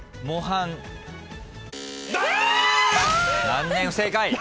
残念不正解。